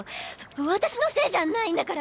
私のせいじゃないんだから。